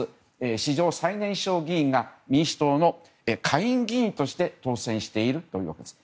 史上最年少議員が民主党の下院議員として当選しているというわけです。